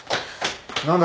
何だ？